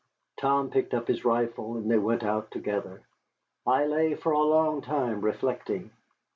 Tom picked up his rifle, and they went out together. I lay for a long time reflecting.